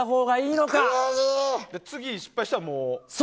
次失敗したらもう。